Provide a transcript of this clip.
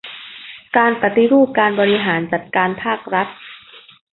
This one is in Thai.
การปฏิรูปการบริหารจัดการภาครัฐ